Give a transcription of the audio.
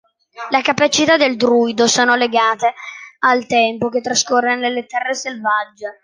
Le capacità del druido sono legate al tempo che trascorre nelle terre selvagge.